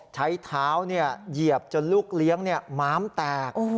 ใช้เท้าเหยียบจนลูกเลี้ยงม้ามแตก